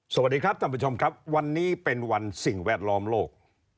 สวัสดีครับท่านผู้ชมครับวันนี้เป็นวันสิ่งแวดล้อมโลก